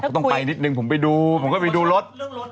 ต้องไปนิดนึงผมไปดูผมก็ไปดูรถ